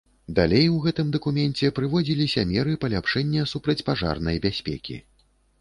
Далей у гэтым дакуменце прыводзіліся меры паляпшэння супрацьпажарнай бяспекі.